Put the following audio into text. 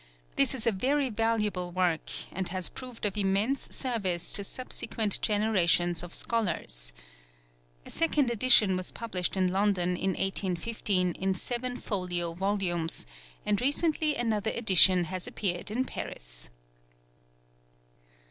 This is a very valuable work, and has proved of immense service to subsequent generations of scholars. A second edition was published in London in 1815 in seven folio volumes, and recently another edition has appeared in Paris.